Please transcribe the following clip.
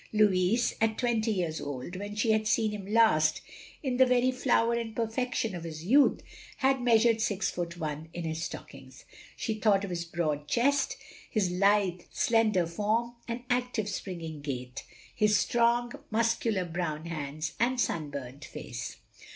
Louis, at twenty years old, when she had seen him last, in the very flower and perfection of youth, had meastired six foot one in his stockings. She thought of his broad chest, his lithe slender form and active springing gait, his strong, mus cular brown hands, and sunburnt face.